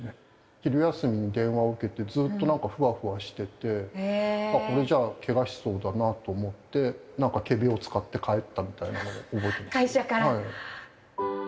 昼休みに電話を受けて、ずっとなんか、ふわふわしてて、これじゃあ、けがしそうだなと思って、なんか仮病を使って帰ったみたい会社から。